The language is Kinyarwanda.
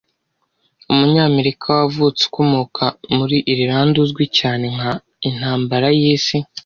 Umunyamerika wavutse ukomoka muri Irlande uzwi cyane nka intambara y'isi